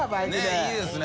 いいですね。